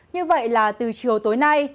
như vậy là từ chiều tối nay